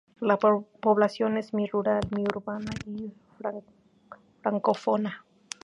La población es mi rural mi urbana y francófona.